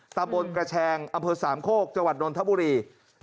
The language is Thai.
ตามบนกระแชงอสามโคกจนธบุรี